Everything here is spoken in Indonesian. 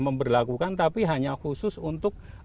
memperlakukan tapi hanya khusus untuk